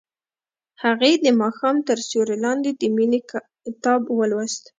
هغې د ماښام تر سیوري لاندې د مینې کتاب ولوست.